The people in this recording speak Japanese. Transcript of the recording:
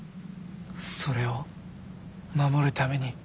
それを守るために？